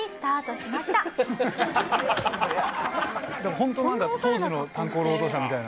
ホントなんか当時の炭鉱労働者みたいな。